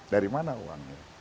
dari mana uangnya